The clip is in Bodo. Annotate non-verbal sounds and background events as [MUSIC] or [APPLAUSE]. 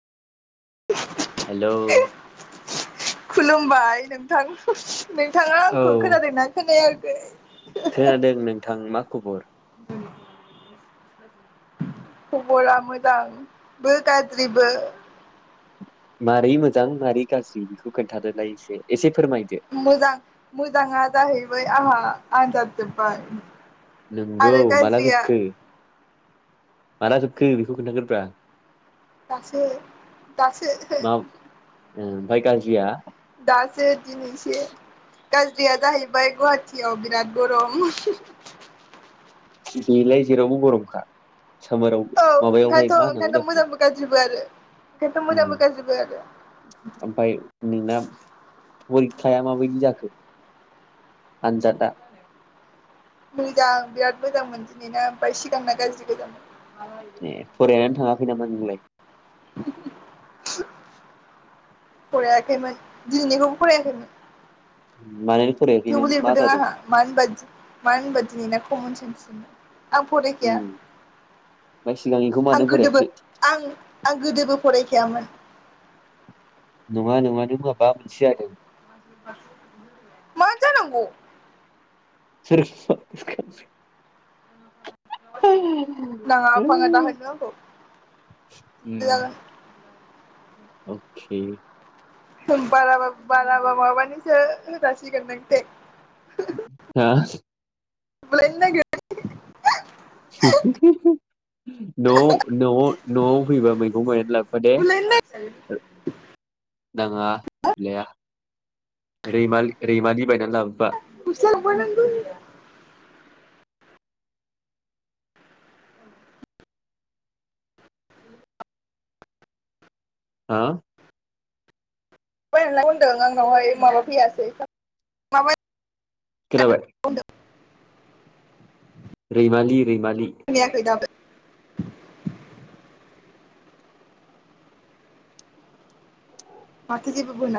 [INAUDIBLE] हेलौ। खुलुमबाय नोंथां। नोंथाङा औ आंखौ खोनादोंना खोनाया। [INAUDIBLE] खोनादों नोंथां मा खबर खबरा मोजांबो गाज्रिबो मारै मोजां मारै गाज्रि बेखौ खोन्थादोलाय एसे एसे फोरमायदो मोजां मोजाङा जाहैबाय आंहा आदार जोबबाय नोंगौ माला जोबखो माला जोबखो बेखौ खोन्थाग्रो ब्रा दासो दासो फ्राय गाज्रिया दासो दिनैसो गाज्रिया जाहैबाय गुवाहाटियाव बिराद गरम बेलाय जेरावबो गरमखा सोमोराव औ माबायावहाय मा ओंखायनोथ' होनांगौ ओंखायनोथ' दाख मोजांबो गाज्रिबो आरो ओंखायनोथ' मोजांबो गाज्रिबो आरो ओमफ्राय नोंना परिखाया माबायदि जाखो आनजादा मोजां बिराद मोजांमोन दिनैना ओमफ्राय सिगांना गाज्रि गोजामोन ए फरायनानै थाङाखै नामा नोंलाय [INAUDIBLE] फरायाखैमोन दिनैनिखौबो फरायाखैमोन मानो फरायाखै नों थेवबो मा लिरबोदों जादों आंहा मान बादि मान बा दिनैना [UNINTELLIGIBLE] आं फरायखाया ओमफ्राय सिगांनिखौ आं मानो गोदोबो फरायाखै आं आं गोदोबो फरायख थियामोन नङा नङा माबा मोनसे जादों मा जानांगौ [UNINTELLIGIBLE] [UNINTELLIGIBLE] नाङा फाङा दाहोनो आंखौ उम जागोन अखे होम बाराबा बाराबा माबानिसो होजासिगोन नों दे हो [UNINTELLIGIBLE] [UNINTELLIGIBLE] न'आव न'आव न'आव फैबा मैगं बायनानै लाबोफा दे बुलायनो नागिर नाङा [UNINTELLIGIBLE] रैमाल रैमालि बायनानै लाबोबा [UNINTELLIGIBLE] हा बायनानै लाबो होनदों आंनावहाय माबा फैयासै माबा खोनाबाय होनदों रैमालि रैमालि खोनायाखै दाबो [INAUDIBLE] [UNINTELLIGIBLE]